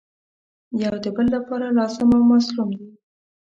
یو د بل لپاره لازم او ملزوم دي.